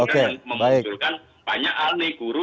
memunculkan banyak al nih guru